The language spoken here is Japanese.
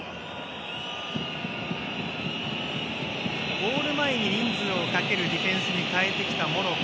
ゴール前に人数をかけるディフェンスに変えてきたモロッコ。